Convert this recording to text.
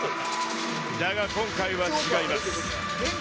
だが今回は違います。